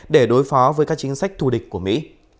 để đối phó với các chính sách thù địch của mỹ